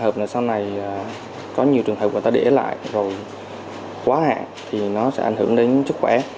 trường hợp là sau này có nhiều trường hợp người ta để lại rồi quá hạn thì nó sẽ ảnh hưởng đến sức khỏe